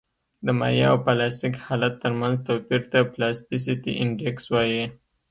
د مایع او پلاستیک حالت ترمنځ توپیر ته پلاستیسیتي انډیکس وایي